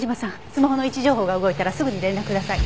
スマホの位置情報が動いたらすぐに連絡ください。